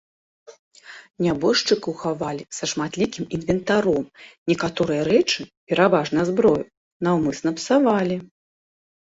Нябожчыкаў хавалі са шматлікім інвентаром, некаторыя рэчы, пераважна зброю, наўмысна псавалі.